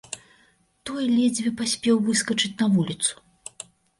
Той ледзьве паспеў выскачыць на вуліцу.